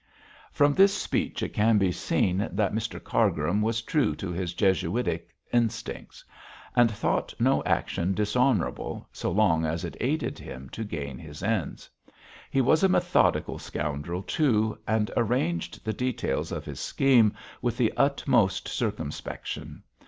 From this speech it can be seen that Mr Cargrim was true to his Jesuitic instincts, and thought no action dishonourable so long as it aided him to gain his ends. He was a methodical scoundrel, too, and arranged the details of his scheme with the utmost circumspection.